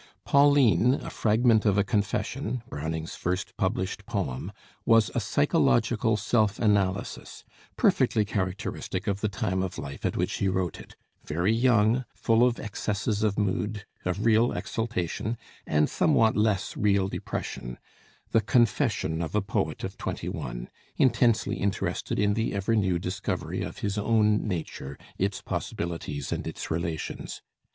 ] 'Pauline, a Fragment of a Confession,' Browning's first published poem, was a psychological self analysis, perfectly characteristic of the time of life at which he wrote it, very young, full of excesses of mood, of real exultation, and somewhat less real depression the "confession" of a poet of twenty one, intensely interested in the ever new discovery of his own nature, its possibilities, and its relations.